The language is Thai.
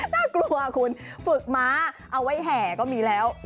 น่ากลัวคุณฝึกม้าเอาไว้แห่ก็มีแล้ว